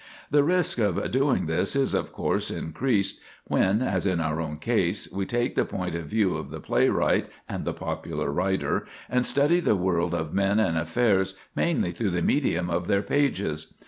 The risk of doing this is, of course, increased when, as in our own case, we take the point of view of the playwright and the popular writer, and study the world of men and affairs mainly through the medium of their pages.